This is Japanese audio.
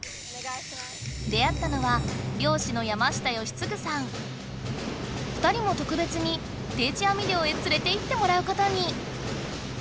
出会ったのは２人もとくべつに定置網漁へつれていってもらうことに！